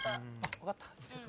分かった？